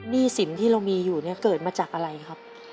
หนี้สินที่เรามีอยู่เนี่ยเกิดมาจากอะไรครับ